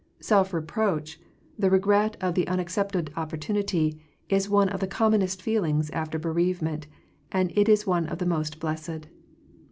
Self reproach, the regret of the unaccepted opportunity, is one of the commonest feelings after be reavement, and it is one of the most blessed.